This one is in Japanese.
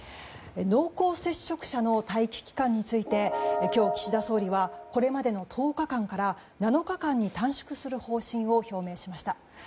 濃厚接触者の待機期間について今日、岸田総理はこれまでの１０日間から７日間に短縮する方針を表明しました。